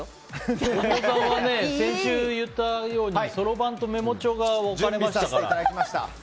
先週言ったようにそろばんとメモ帳が置かれましたから。